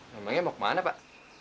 namanya mau ke mana pak